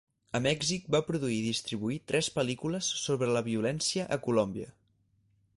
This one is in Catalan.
A Mèxic, va produir i distribuir tres pel·lícules sobre la violència a Colòmbia.